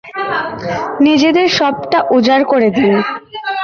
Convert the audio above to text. নিজেদের সবটা উজার করে দিন।